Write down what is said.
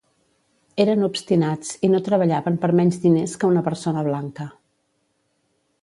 Eren obstinats i no treballaven per menys diners que una persona blanca.